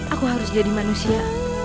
aku harus jadi manusia